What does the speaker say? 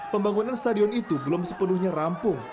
pembangunan stadion itu belum sepenuhnya rampung